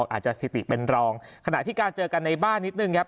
สถิติเป็นรองขณะที่การเจอกันในบ้านนิดนึงครับ